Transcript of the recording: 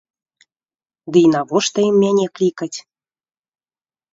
Ды і навошта ім мяне клікаць?